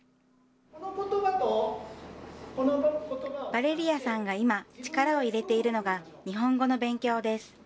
ヴァレリアさんが今、力を入れているのが、日本語の勉強です。